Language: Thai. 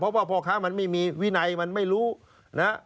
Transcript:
เพราะว่าพ่อค้ามันไม่มีวินัยมันไม่รู้นะ